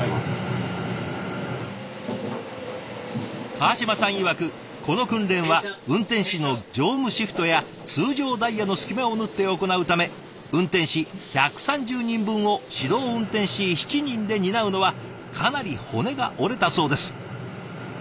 川島さんいわくこの訓練は運転士の乗務シフトや通常ダイヤの隙間を縫って行うため運転士１３０人分を指導運転士７人で担うのはかなり骨が折れたそうです。